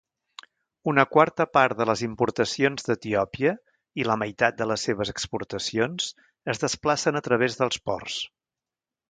Una quarta part de les importacions d'Etiòpia i la meitat de les seves exportacions es desplacen a través dels ports.